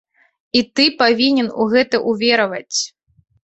І ты павінен у гэта ўвераваць.